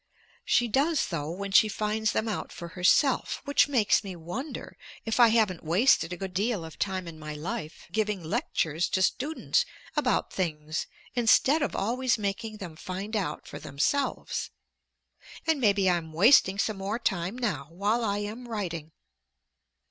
She does though when she finds them out for herself, which makes me wonder if I haven't wasted a good deal of time in my life giving lectures to students about things instead of always making them find out for themselves. And maybe I am wasting some more time now while I am writing!